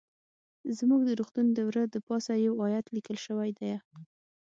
زموږ د روغتون د وره د پاسه يو ايت ليکل شوى ديه.